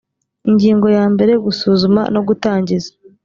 ingingo ya mbere gusuzuma no gutangiza